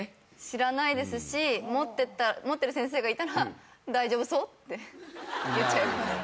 知らないですし持ってる先生がいたら大丈夫そう？って言っちゃいます。